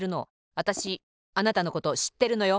わたしあなたのことしってるのよ。